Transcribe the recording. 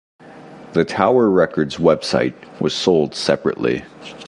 The Tower Records website was sold separately.